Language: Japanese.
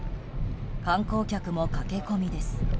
観光客も駆け込みです。